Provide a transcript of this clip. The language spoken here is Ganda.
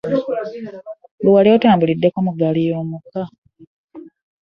Gwe wali otambuliddeko mu gaali y'omukka?